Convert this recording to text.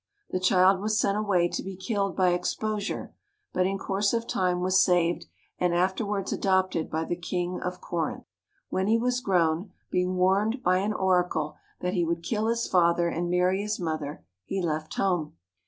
The child was sent away to be killed by exposure, but in course of time was saved and afterwards adopted by the King of Corinth. When he was grown, being warned by an oracle that he would kill his father and marry his mother, he left home.